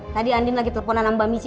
tadi andin lagi teleponan mbak missy